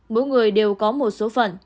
mỗi người đều có một số phận